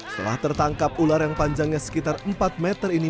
setelah tertangkap ular yang panjangnya sekitar empat meter ini